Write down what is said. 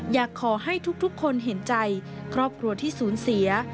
อยากให้ทุกคนเห็นใจครอบครัวที่สูญเสีย